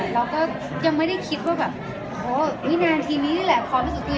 เพราะว่าช่วงนี้เค้าคือแบบมาทำงานแบบคือทุกวันจริงอะ